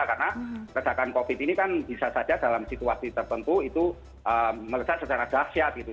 karena kejahatan covid ini kan bisa saja dalam situasi tertentu itu melesat secara dasyat gitu